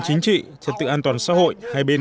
chính trị trật tự an toàn xã hội hai bên